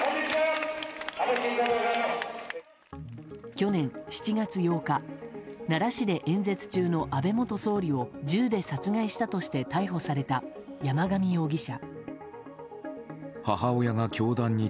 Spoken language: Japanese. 去年７月８日奈良市で演説中の安倍元総理を銃で殺害したとして逮捕された山上容疑者。